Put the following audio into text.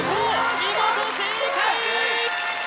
見事正解！